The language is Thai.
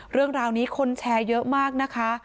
เรื่องราวนี้คนแชร์เยอะมากนะคะ